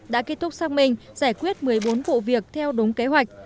đã kết thúc xác minh giải quyết một mươi bốn vụ việc theo đúng kế hoạch